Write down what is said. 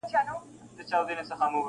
• چي حکیم کړه ورنيژدې سږمو ته سوټه -